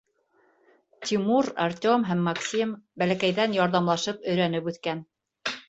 Тимур, Артем һәм Максим бәләкәйҙән ярҙамлашып, өйрәнеп үҫкән.